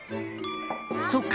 そっか！